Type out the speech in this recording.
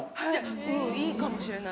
うんいいかもしれない。